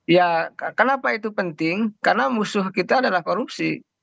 ya kenapa itu penting karena musuh kita adalah korupsi